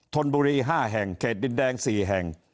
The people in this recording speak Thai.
ถนบุรีห้าแห่งเขตดินแดงสี่แห่ง